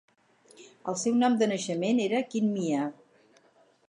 El seu nom de naixement era Khin Mya.